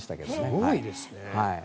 すごいですね。